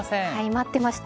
待ってました。